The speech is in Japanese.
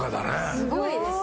すごいです